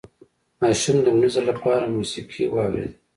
ماشوم د لومړي ځل لپاره موسيقي واورېده.